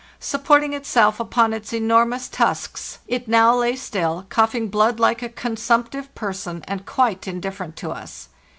Supporting itself upon its enormous tusks, it now lay still, coughing blood like a consumptive person, and quite indifferent to us.